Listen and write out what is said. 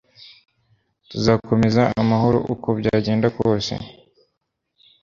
Tuzakomeza amahoro uko byagenda kose.